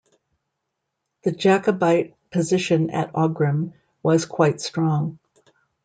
The Jacobite position at Aughrim was quite strong.